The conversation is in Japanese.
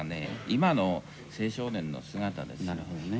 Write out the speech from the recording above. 今の青少年の姿ですよ。